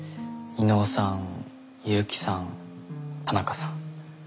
威能さん悠木さん田中さん。